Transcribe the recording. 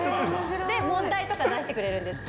で、問題とか出してくれるんです。